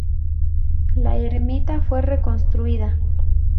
La ermita fue reconstruida.